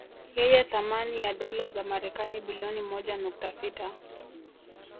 Yenye thamani ya dola za Marekani bilioni moja nukta sita